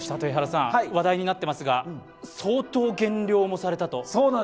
話題になっていますが、相当減量もされたと？